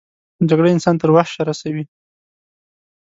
جګړه انسان تر وحشه رسوي